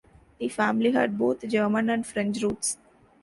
The family had both German and French roots.